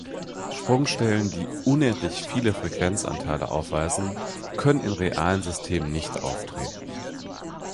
Sprungstellen, die „unendlich viele“ Frequenzanteile aufweisen, können in realen Systemen nicht auftreten.